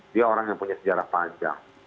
dia orang yang punya sejarah panjang